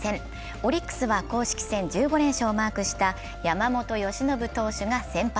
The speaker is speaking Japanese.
オリックスは公式戦１５連勝をマークした山本由伸投手が先発。